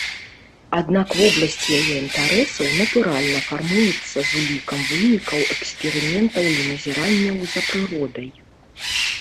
Аднак вобласць яе інтарэсаў, натуральна, фармуецца з улікам вынікаў эксперыментаў і назіранняў за прыродай.